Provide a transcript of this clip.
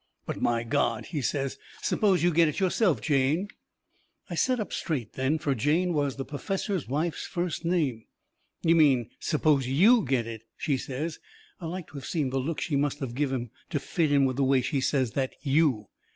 "But, my God," he says, "suppose you get it yourself, Jane!" I set up straight then, fur Jane was the perfessor's wife's first name. "You mean suppose YOU get it," she says. I like to of seen the look she must of give him to fit in with the way she says that YOU.